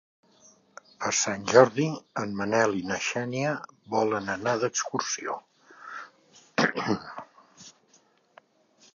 Per Sant Jordi en Manel i na Xènia volen anar d'excursió.